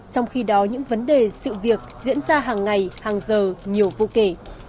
trong khi đó những vấn đề sự việc diễn ra hàng ngày hàng giờ nhiều vô kể